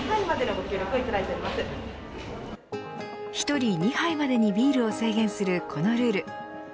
１人２杯までにビールを制限するこのルール。